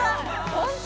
・本当？